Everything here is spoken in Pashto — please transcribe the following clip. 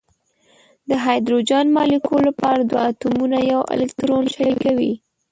د هایدروجن مالیکول لپاره دوه اتومونه یو الکترون شریکوي.